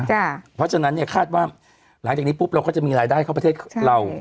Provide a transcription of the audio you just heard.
เพราะฉะนั้นเนี่ยคาดว่าหลังจากนี้ปุ๊บเราก็จะมีรายได้เข้าประเทศเรา